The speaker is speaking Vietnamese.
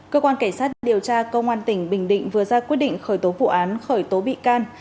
cơ quan cảnh sát điều tra công an tỉnh bình định vừa ra quyết định khởi tố vụ án khởi tố bị can